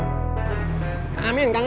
bisa ke rumah saya sekarang